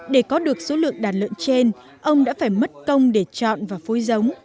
để có được số lượng đàn lợn trên ông đã phải mất công để chọn và phối giống